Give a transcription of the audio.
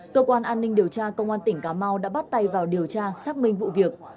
cơ quan an ninh điều tra công an tỉnh cà mau đã bắt tay vào điều tra xác minh vụ việc